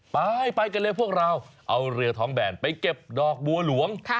ไปไปกันเลยพวกเราเอาเรือท้องแบนไปเก็บดอกบัวหลวง